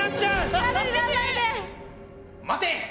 ・待て！